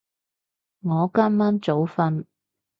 我今晚早瞓